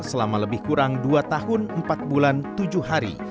selama lebih kurang dua tahun empat bulan tujuh hari